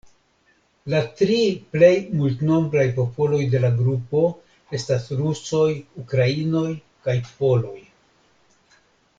La tri plej multnombraj popoloj de la grupo estas rusoj, ukrainoj kaj poloj.